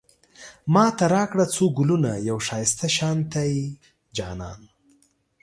ماته راکړه څو ګلونه، يو ښايسته شانتی جانان